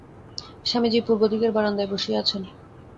স্বামীজী পূর্বদিকের বারান্দায় বসিয়া আছেন।